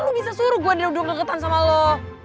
lo bisa suruh gue udah deketan sama lo